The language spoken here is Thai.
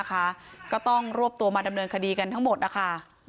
ก็ต้องรวบตัวมาดำเนินคดีกันทั้งหมดนะคะ